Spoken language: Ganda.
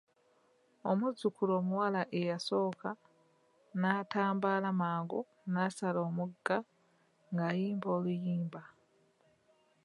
Omuzukulu omuwala eyasooka n'atambala mangu nasala omugga nga yimba oluyimba.